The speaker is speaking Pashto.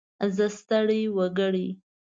زه ستړی وګړی.